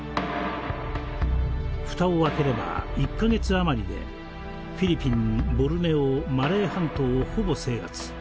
蓋を開ければ１か月余りでフィリピンボルネオマレー半島をほぼ制圧。